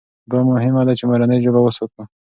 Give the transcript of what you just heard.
دا مهمه ده چې مورنۍ ژبه وساتو.